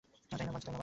তাই না, বায?